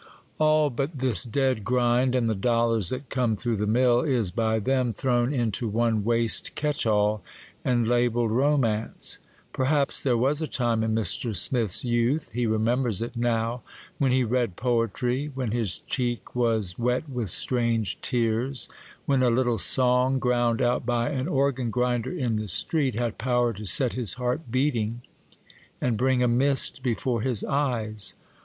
All but this dead grind, and the dollars that come through the mill, is by them thrown into one waste 'catch all' and labelled romance. Perhaps there was a time in Mr. Smith's youth,—he remembers it now,—when he read poetry, when his cheek was wet with strange tears, when a little song, ground out by an organ grinder in the street, had power to set his heart beating and bring a mist before his eyes.